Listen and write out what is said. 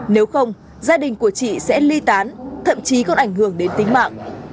nếu không gia đình của chị sẽ ly tán thậm chí còn ảnh hưởng đến tính mạng